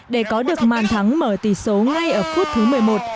để có được màn thắng mở tỷ số ngay ở phút thứ một mươi một